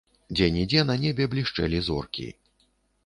Дзе-нідзе на небе блішчэлі зоркі.